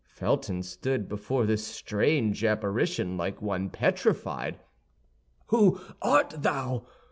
Felton stood before this strange apparition like one petrified. "Who art thou?